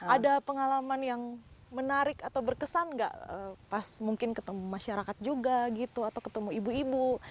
ada pengalaman yang menarik atau berkesan nggak pas mungkin ketemu masyarakat juga gitu atau ketemu ibu ibu